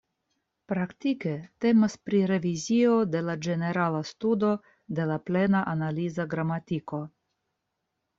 Praktike temas pri revizio de la ĝenerala studo de la Plena Analiza Gramatiko.